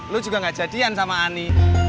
lu juga gak jadian sama ani